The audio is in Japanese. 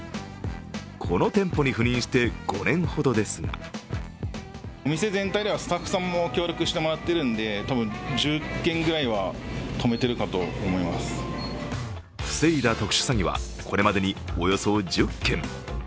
この店舗に赴任して５年ほどですが防いだ特殊詐欺はこれまでにおよそ１０件。